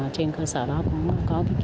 trên cơ sở đó cũng có ký ký